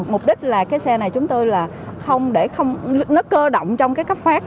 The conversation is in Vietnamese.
mục đích là cái xe này chúng tôi là không để nó cơ động trong cái cấp phát